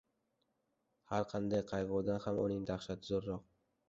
Har qanday qayg‘udan ham uning dahshati zo‘rroq.